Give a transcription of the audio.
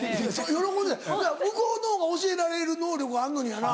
喜んでた向こうのほうが教えられる能力があんのにやな。